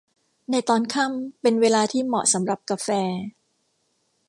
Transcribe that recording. ในตอนค่ำเป็นเวลาที่เหมาะสำหรับกาแฟ